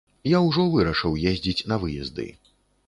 Я ўжо вырашыў ездзіць на выезды.